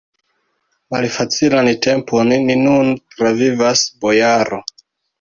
Malfacilan tempon ni nun travivas, bojaro!